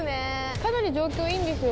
かなり状況いいんですよ